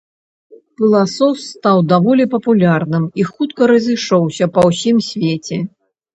Пыласос стаў даволі папулярным і хутка разышоўся па ўсім свеце.